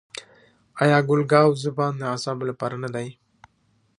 آیا ګل ګاو زبان د اعصابو لپاره نه دی؟